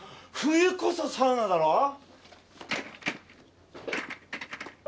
冬こそサウナだろ！